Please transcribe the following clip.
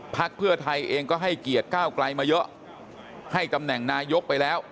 เพื่อไทยเองก็ให้เกียรติก้าวไกลมาเยอะให้ตำแหน่งนายกไปแล้ว